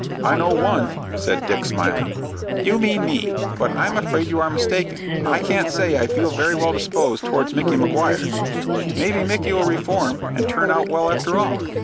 "I know one," said Dick, smiling. "You mean me; but I'm afraid you are mistaken. I can't say I feel very well disposed towards Micky Maguire." "Maybe Micky'll reform and turn out well after all."